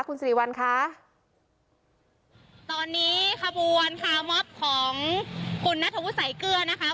คุณสิริวัลค่ะตอนนี้ขบวนคาร์มอบของคุณนัทวุฒิสายเกลือนะคะ